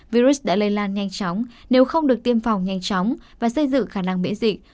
virus đã lây lan nhanh chóng nếu không được tiêm phòng nhanh chóng và xây dựng khả năng miễn dịch